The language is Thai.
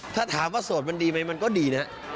ถ้าถามว่าโสดมันดีไหมมันก็ดีนะ